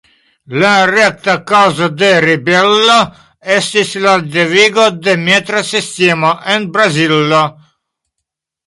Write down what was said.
La rekta kaŭzo de ribelo estis la devigo de metra sistemo en Brazilo.